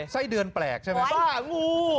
ไส้เดือนแปลกใช่ไหม